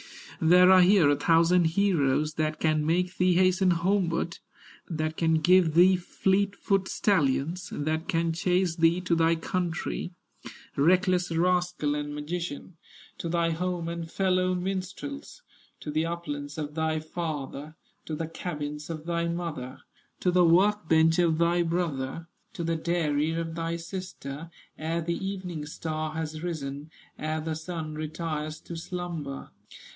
There are here a thousand heroes That can make thee hasten homeward, That can give thee fleet foot stallions, That can chase thee to thy country, Reckless rascal and magician, To thy home and fellow minstrels, To the uplands of thy father, To the cabins of thy mother, To the work bench of thy brother, To the dairy of thy sister, Ere the evening star has risen, Ere the sun retires to slumber."